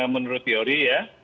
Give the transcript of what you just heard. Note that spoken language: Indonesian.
menurut teori ya